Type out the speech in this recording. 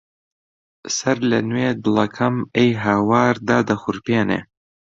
سەرلەنوێ دڵەکەم ئەی هاوار دادەخورپێنێ